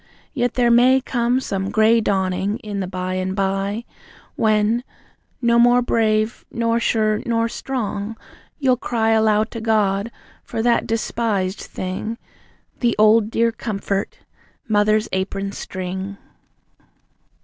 Yet there may Come some grey dawning in the by and by, When, no more brave, nor sure, nor strong, you'll cry Aloud to God, for that despised thing, The old dear comfort Mother's apron string.